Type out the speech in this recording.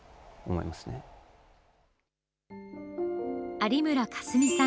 有村架純さん